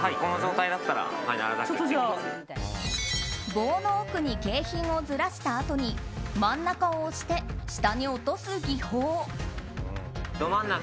棒の奥に景品をずらしたあとに真ん中を押して下に落とす技法。